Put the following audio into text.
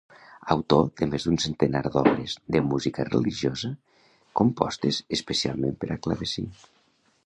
Autor de més d'un centenar d'obres de música religiosa compostes especialment per a clavecí.